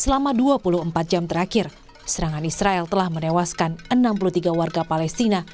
selama dua puluh empat jam terakhir serangan israel telah menewaskan enam puluh tiga warga palestina